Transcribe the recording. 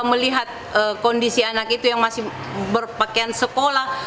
melihat kondisi anak itu yang masih berpakaian sekolah